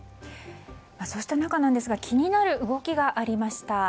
そうした中気になる動きがありました。